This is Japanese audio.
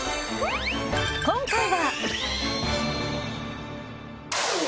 今回は。